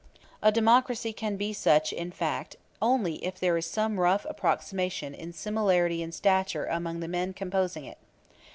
A democracy can be such in fact only if there is some rough approximation in similarity in stature among the men composing it.